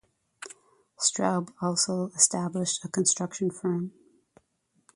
Straub also established a construction firm.